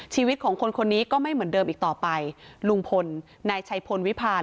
ชีวิตของคนคนนี้ก็ไม่เหมือนเดิมอีกต่อไปลุงพลนายชัยพลวิพาล